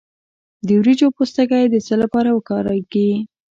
د وریجو پوستکی د څه لپاره کاریږي؟